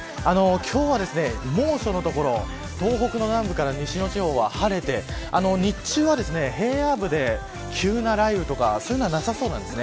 今日は猛暑の所東北の南部から西の地方は晴れて日中は平野部で急な雷雨とかそういうのはなさそうなんです。